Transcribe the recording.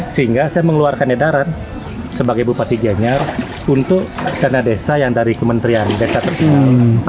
sehingga saya mengeluarkan edaran sebagai bupati gianyar untuk dana desa yang dari kementerian desa tertinggal